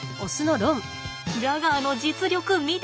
ジャガーの実力見てください！